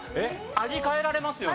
味変えられますよね。